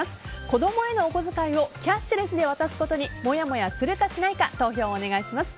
子供へのお小遣いをキャッシュレスで渡すことにもやもやするかしないか投票をお願いします。